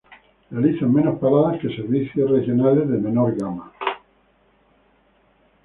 Realizan menos paradas que servicios regionales de menor gama.